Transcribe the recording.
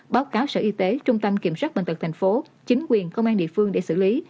báo cáo sở y tế trung tâm kiểm soát bệnh tật tp chính quyền công an địa phương để xử lý